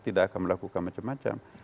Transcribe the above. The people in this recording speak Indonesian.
tidak akan melakukan macam macam